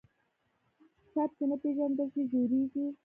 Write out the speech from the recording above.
ټپ چې نه پېژندل شي، ژورېږي.